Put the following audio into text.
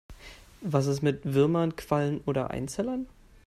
Was ist mit Würmern, Quallen oder Einzellern?